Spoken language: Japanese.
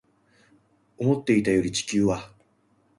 思っていたより地球は